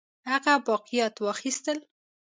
هغه باقیات واخیستل.